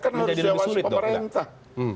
karena harus jawab pemerintah